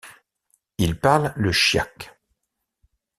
Il parle le chiac.